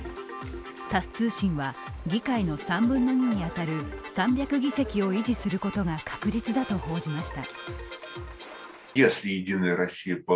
タス通信は議会の３分の２に当たる３００議席を維持することが確実だと報じました。